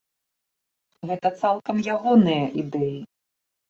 Гэта цалкам ягоныя ідэі.